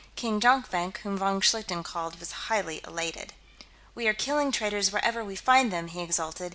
King Jonkvank, whom von Schlichten called, was highly elated. "We are killing traitors wherever we find them!" he exulted.